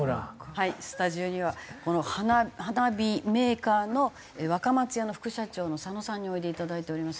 はいスタジオにはこの花火メーカーの若松屋の副社長の佐野さんにおいでいただいております。